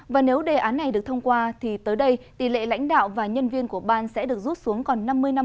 và nếu đề án này được thông qua thì tới đây tỷ lệ lãnh đạo và nhân viên của ban sẽ được rút xuống còn năm mươi năm